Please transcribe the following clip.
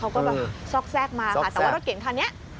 เขาก็ซอกแซกมาแต่ว่ารถเก๋งคันนี้